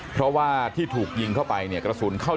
เพราะว่าที่ถูกยิงเข้าไปเนี่ยกระสุนเข้า